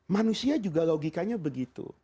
manusia juga logikanya begitu